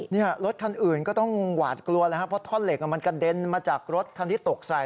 เนี่ยรถคันอื่นก็ต้องหวาดกลัวแล้วครับเพราะท่อนเหล็กมันกระเด็นมาจากรถคันที่ตกใส่